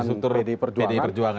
di struktur pdi perjuangan